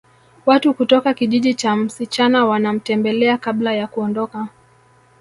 Watu kutoka kijiji cha msichana wanamtembelea kabla ya kuondoka